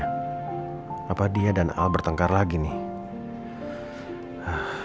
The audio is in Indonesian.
kenapa dia dan al bertengkar lagi nih